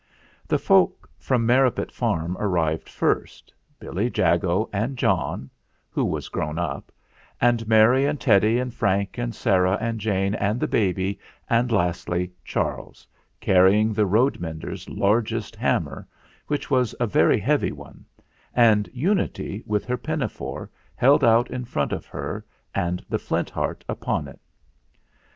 The folk from Merripit Farm arrived first: Billy Jago and John, who was grown up, and Mary and Teddy and Frank and Sarah and Jane and the baby, and, lastly, Charles, carrying the road mender's largest hammer, which was 3 2 7 328 THE FLINT HEART a very heavy one, and Unity with her pinafore held out in front of her and the Flint Heart upon it.